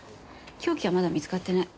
凶器はまだ見つかってない。